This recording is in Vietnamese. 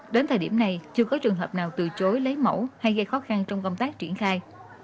đến thời điểm này chưa có trường hợp nào từ chối lấy mẫu hay gây khó khăn trong công tác triển khai